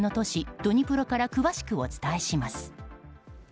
ドニプロから詳しくお伝えします。